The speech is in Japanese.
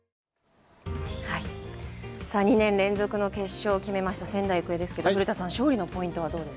２年連続の決勝を決めました仙台育英ですけど、古田さん、勝利のポイントは？